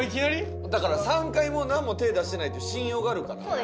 だから３回もなんも手出してないっていう信用があるからね。